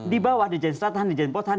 di bawah di jalan setelah tahan